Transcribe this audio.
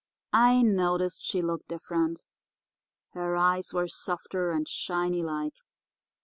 I noticed she looked different. Her eyes were softer, and shiny like.